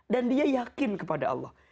dan dia yakin kepada allah